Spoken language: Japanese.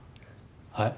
はい？